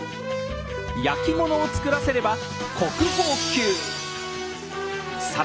焼き物を作らせれば国宝級！